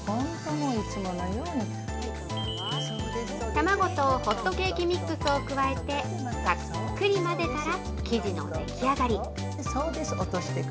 卵とホットケーキミックスを加えて、さっくり混ぜたら生地の出来上がり。